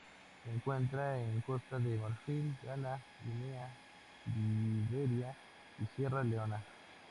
Se encuentra en Costa de Marfil, Ghana, Guinea, Liberia y Sierra Leona.